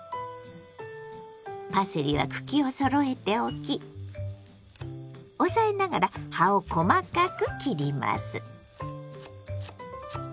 パセリは茎をそろえて置き押さえながら葉を細かく切ります。